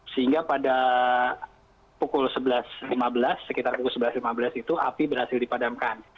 sehingga pada pukul sebelas lima belas sekitar pukul sebelas lima belas itu api berhasil dipadamkan